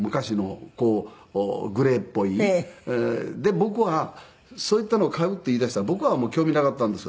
僕はそういったのを飼うって言い出した僕は興味なかったんですよ。